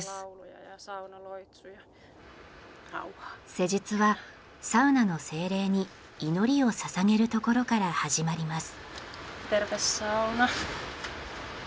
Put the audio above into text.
施術はサウナの精霊に祈りをささげるところから始まります。